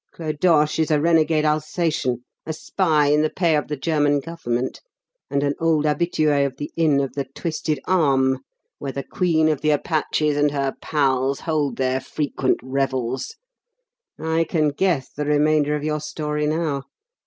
Clodoche is a renegade Alsatian, a spy in the pay of the German Government, and an old habitué of 'The Inn of the Twisted Arm,' where the Queen of the Apaches and her pals hold their frequent revels. I can guess the remainder of your story now.